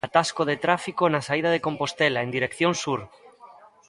Atasco de trafico na saída de Compostela en dirección sur.